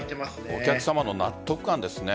お客さまの納得感ですね。